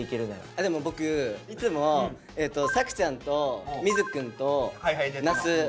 あでも僕いつもさくちゃんと瑞稀くんと那須。